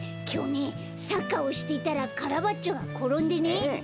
きょうねサッカーをしていたらカラバッチョがころんでね。